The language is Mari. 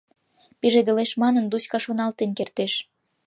Пижедылеш манын, Дуська шоналтен кертеш.